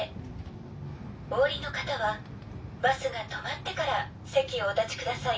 お降りの方はバスが止まってから席をお立ちください」。